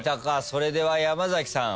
それでは山崎さん